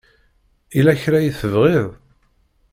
Yella kra i tebɣiḍ?